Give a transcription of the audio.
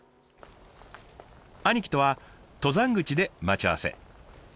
兄貴とは登山口で待ち合わせ。